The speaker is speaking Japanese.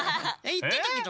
いってたけど。